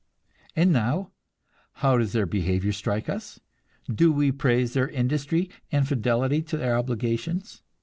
And now, how does their behavior strike us? Do we praise their industry, and fidelity to their obligations?